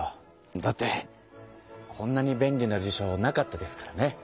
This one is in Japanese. だってこんなに便利な辞書なかったですからね。